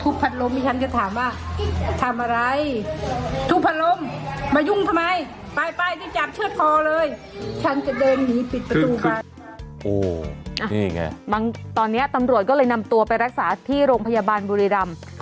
จะจับเชื้อคอเลยฉันจะเดินหนีปิดประตูไปโอ้นี่ไงบางตอนเนี้ยตำรวจก็เลยนำตัวไปรักษาที่โรงพยาบาลบุรีรัมน์